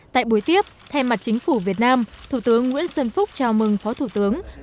tại buổi tiếp thay mặt chính phủ việt nam thủ tướng nguyễn xuân phúc chào mừng phó thủ tướng